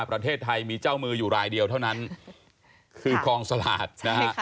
ประเทศไทยมีเจ้ามืออยู่รายเดียวเท่านั้นคือกองสลากนะฮะ